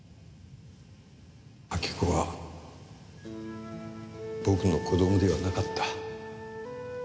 明子は僕の子供ではなかった。